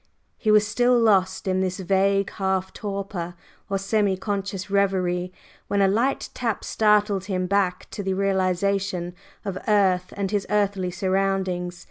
He was still lost in this vague half torpor or semi conscious reverie, when a light tap startled him back to the realization of earth and his earthly surroundings.